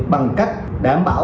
bằng cách đảm bảo